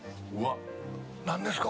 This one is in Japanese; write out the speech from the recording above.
何ですか？